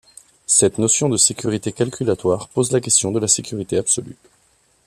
Cette notion de sécurité calculatoire pose la question de la sécurité absolue.